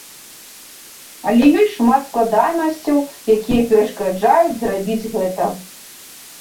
Але ёсць шмат складанасцяў, якія перашкаджаюць зрабіць гэта.